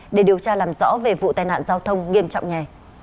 để điều tra làm rõ về vụ tai nạn giao thông nghiêm trọng nhà